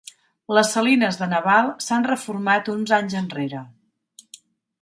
Les salines de Naval s'han reformat uns anys enrere.